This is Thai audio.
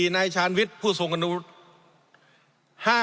๔นายชานวิทย์ผู้ทรงคุณวุฒิ